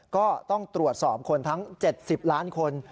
ก็ต้องตรวจสอบคนทั้ง๗๐ล้านคน